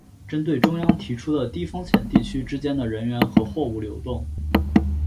针对中央提出的低风险地区之间的人员和货物流动